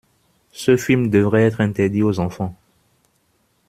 Ce film devrait être interdit aux enfants.